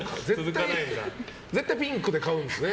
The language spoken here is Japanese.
絶対ピンクで買うんですね。